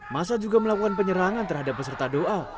masa juga melakukan penyerangan terhadap peserta doa